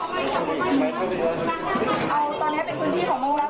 แผลลิก